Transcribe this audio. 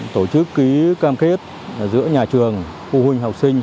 tổ chức ký cam kết giữa nhà trường phụ huynh học sinh